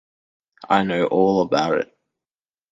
I know all about it.